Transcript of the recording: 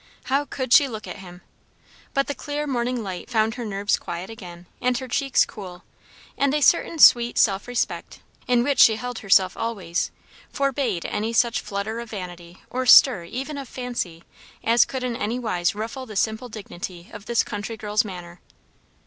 How could she look at him? But the clear morning light found her nerves quiet again, and her cheeks cool; and a certain sweet self respect, in which she held herself always, forbade any such flutter of vanity or stir even of fancy as could in any wise ruffle the simple dignity of this country girl's manner.